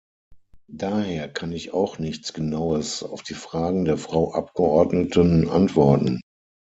Daher kann ich auch nichts Genaues auf die Fragen der Frau Abgeordneten antworten.